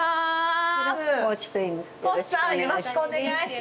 よろしくお願いします。